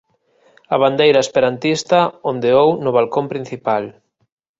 A bandeira esperantista ondeou no balcón principal.